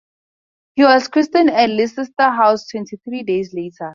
He was christened at Leicester House twenty-three days later.